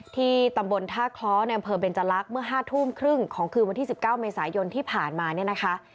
ที่ตำบลท่าคล้อในอำเภอเบนจรักษ์เมื่อ๕ทุ่มครึ่งของคืนวันที่๑๙เมษายนที่ผ่านมาเนี่ยนะคะ